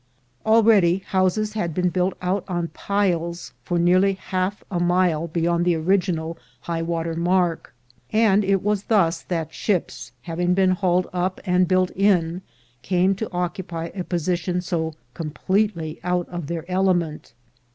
Already houses had been built out on piles for nearly half a mile beyond the original high water mark; and it was thus that ships, having been hauled up and built in, came to occupy a position so com pletely out of their element.